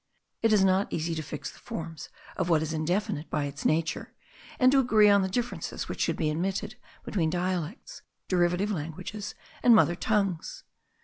It is not easy to fix the forms of what is indefinite by its nature; and to agree on the differences which should be admitted between dialects, derivative languages and mother tongues.